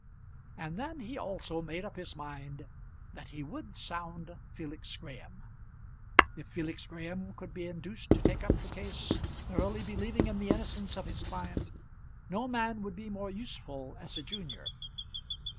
And then he also made up his mind that he would sound Felix Graham. If Felix Graham could be induced to take up the case thoroughly believing in the innocence of his client, no man would be more useful as a junior.